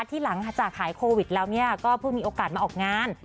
ที่หลังจากหายโควิดแล้วก็เพิ่งมีโอกาสมาออกงาน